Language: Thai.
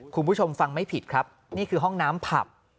คุณผู้ชมฟังไม่ผิดครับนี่คือห้องน้ำผับ